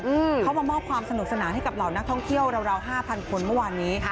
เขามามอบความสนุกสนานให้กับเหล่านักท่องเที่ยวราว๕๐๐๐คนเมื่อวานนี้